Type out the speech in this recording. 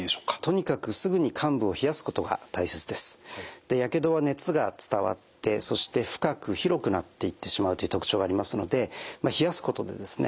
とにかくでやけどは熱が伝わってそして深く広くなっていってしまうという特徴がありますので冷やすことでですね